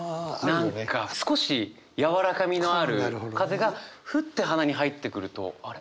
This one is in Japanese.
何か少しやわらかみのある風がフッて鼻に入ってくるとあれ？